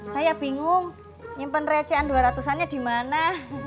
saya bingung nyimpen recehan dua ratus annya di mana